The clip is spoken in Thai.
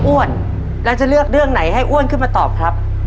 แล้วจะเลือกเรื่องไหนให้อ้วนขึ้นมาตอบครับ